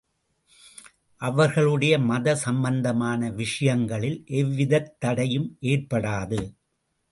அவர்களுடைய மத சம்பந்தமான விஷயங்களில் எவ்விதத் தடையும் ஏற்படாது.